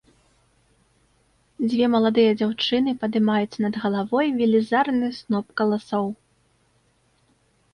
Дзве маладыя дзяўчыны падымаюць над галавой велізарны сноп каласоў.